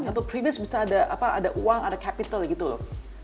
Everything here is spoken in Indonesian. untuk privilege bisa ada uang ada capital gitu loh